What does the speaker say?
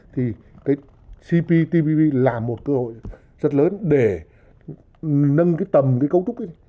thì cptpp là một cơ hội rất lớn để nâng tầm cấu trúc